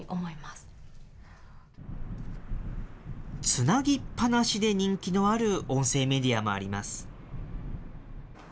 つなぎっぱなしで人気のある音声メディアもあります。